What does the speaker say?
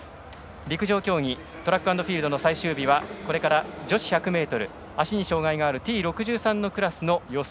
陸上競技トラックアンドフィールドの最終競技はこれから女子１００ｍ足に障がいがあるＴ６３のクラスの予選